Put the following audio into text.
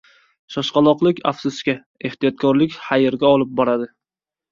• Shoshqaloqlik afsusga, ehtiyotkorlik xayrga olib boradi.